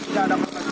hanya lupa lepas saja